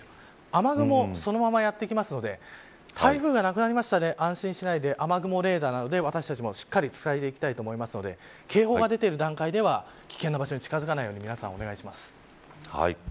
雨雲はそのままやってくるので台風がなくなりましたで安心しないで雨雲レーダーなどで私たちもしっかり伝えてきたいと思うので警報が出ている段階では危険な場所に近づかないようにお願いします。